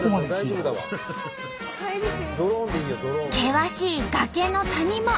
険しい崖の谷間。